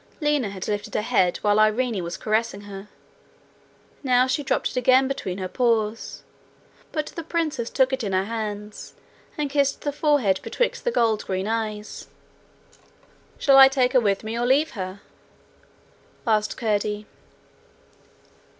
Lina had lifted her head while Irene was caressing her; now she dropped it again between her paws; but the princess took it in her hands, and kissed the forehead betwixt the gold green eyes. 'Shall I take her with me or leave her?' asked Curdie.